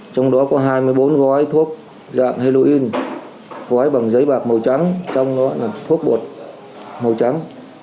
trong đó có hai mươi bốn gói thuốc dạng heroin gói bằng giấy bạc màu trắng trong đó là thuốc bột màu trắng